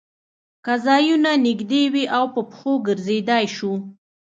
که ځایونه نږدې وي او په پښو ګرځېدای شو.